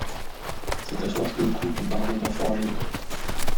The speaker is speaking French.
C'est à force de coups qu'on parvient à forger.